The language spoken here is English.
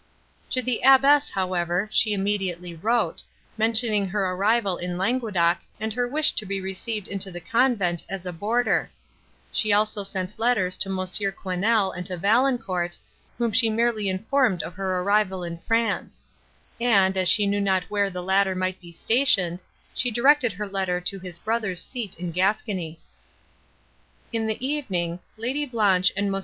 To the abbess, however, she immediately wrote, mentioning her arrival in Languedoc and her wish to be received into the convent, as a boarder; she also sent letters to Monsieur Quesnel and to Valancourt, whom she merely informed of her arrival in France; and, as she knew not where the latter might be stationed, she directed her letter to his brother's seat in Gascony. In the evening, Lady Blanche and Mons.